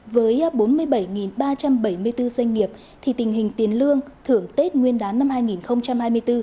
với bốn mươi bảy ba trăm bảy mươi bốn doanh nghiệp thì tình hình tiền lương thưởng tết nguyên đán năm hai nghìn hai mươi bốn